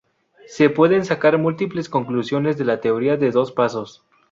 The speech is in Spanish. Se pueden sacar múltiples conclusiones de la teoría de dos pasos.